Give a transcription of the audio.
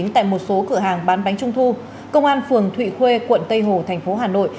tại một số cửa hàng bán bánh trung thu công an phường thụy khuê quận tây hồ thành phố hà nội